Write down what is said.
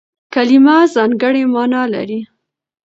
کلیمه ځانګړې مانا لري.